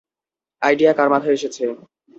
Idea কার মাথায় এসেছে?